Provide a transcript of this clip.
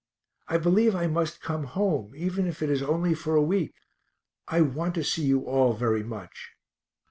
I believe I must come home, even if it is only for a week I want to see you all very much.